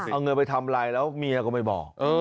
เอาเงินไปทำอะไรแล้วเมียก็ไม่บอก